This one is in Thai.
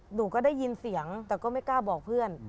หนูก็ได้ยินเสียงแต่ก็ไม่กล้าบอกเพื่อน